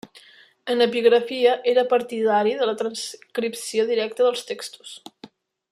En epigrafia, era partidari de la transcripció directa dels textos.